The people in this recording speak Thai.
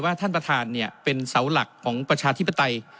ท่านประธานเป็นเสาหลักของประชาธิปไตย